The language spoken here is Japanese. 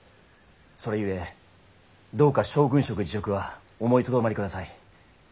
それゆえどうか将軍職辞職は思いとどまりください。